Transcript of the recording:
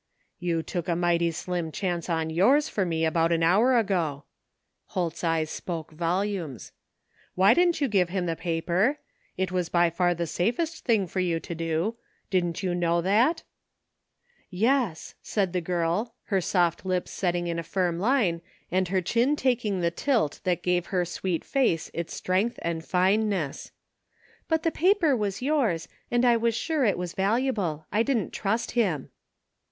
" You took a mighty slim chance on yoiir's for me about an hour ago." Holt's eyes spoke volumes. " Why I didn't you give him the paper? It was by far the safest thing for you to do. Didn't you know that ?"" Yes," said the girl, her soft lips setting in a firm line and her chin taking the tilt that gave her sweet face its strength and fineness. " But the paper was yours, and I was sure it was valuable. I didn't trust him."